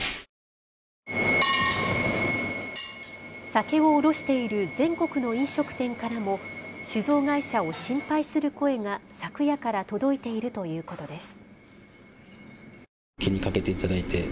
酒を卸している全国の飲食店からも酒造会社を心配する声が昨夜から届いているということです。